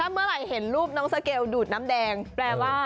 เมื่อไหร่เห็นรูปน้องสเกลดูดน้ำแดงแปลว่า